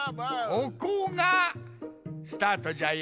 ここがスタートじゃよ。